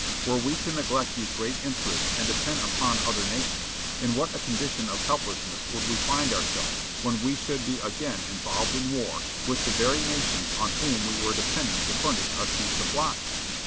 Were we to neglect these great interests and depend upon other nations, in what a condition of helplessness would we find ourselves when we should be again involved in war with the very nations on whom we were depending to furnish us these supplies?